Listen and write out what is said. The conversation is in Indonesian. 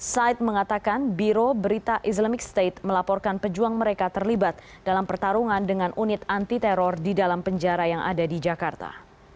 said mengatakan biro berita islamic state melaporkan pejuang mereka terlibat dalam pertarungan dengan unit anti teror di dalam penjara yang ada di jakarta